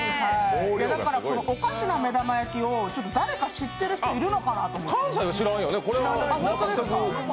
このおかしな目玉焼きを知ってる人いるのかなって。